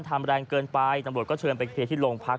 ทำแรงเกินไปตำรวจก็เชิญไปที่ลงพัก